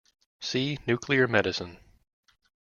See nuclear medicine.